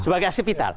sebagai aset vital